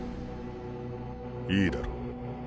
いいだろう。